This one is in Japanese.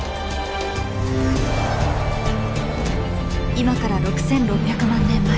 今から６６００万年前